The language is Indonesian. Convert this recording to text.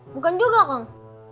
bukan juga kong